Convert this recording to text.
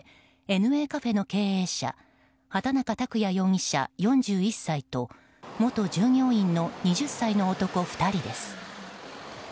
ＮＡカフェの経営者畑中卓也容疑者、４１歳と元従業員の２０歳の男、２人です。